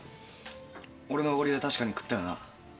俺のおごりで確かに食ったよな？